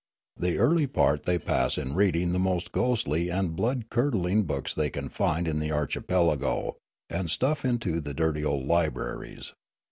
The early part they pass in reading the most ghostl}^ and blood curdling books they can find in the archipelago and stuff into the dirty old libraries.